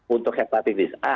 untuk hepatitis a